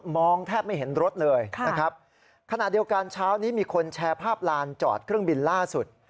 เมื่อการเช้านี้มีคนแชร์ภาพลานจอดเครื่องบินล่าสุด